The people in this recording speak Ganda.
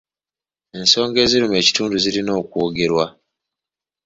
Ensonga eziruma ekitundu zirina okwogerwa.